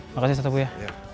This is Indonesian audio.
makasih ustad sepuh ya